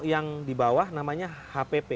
yang di bawah namanya hpp